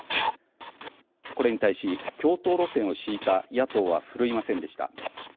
これに対し共闘路線を敷いた野党はふるいませんでした。